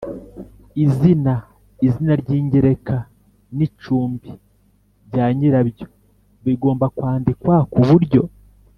Izina izina ry ingereka n icumbi bya nyirabyo bigomba kwandikwa ku buryo